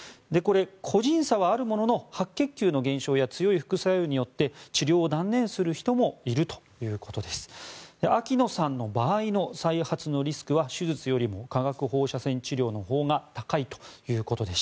個人差はあるものの白血球の減少や強い副作用によって治療を断念する人もいるということです。